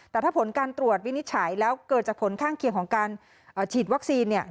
แต่ถ้าผลการตรวจวินิจฉัยแล้วเกิดจากผลข้างเคียงของการฉีดวัคซีนเนี่ย